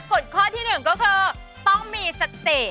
กฎข้อที่หนึ่งก็คือต้องมีสติ